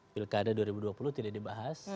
pilkada dua ribu dua puluh tidak dibahas